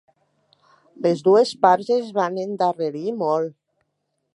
Les dues parts es van endarrerir molt.